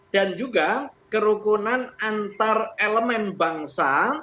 dan juga kerukunan antar elemen bangsa